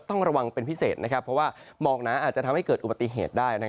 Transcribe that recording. ต้องระวังเป็นพิเศษเพราะว่าหมอกหนาอาจจะทำให้เกิดอุบัติเหตุได้